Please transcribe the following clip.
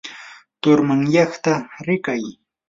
turmanyayta rikay.